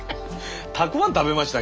たくあん食べました？